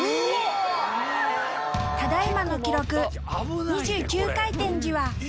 ただ今の記録２９回転じわ。